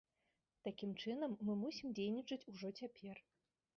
Такім чынам, мы мусім дзейнічаць ужо цяпер.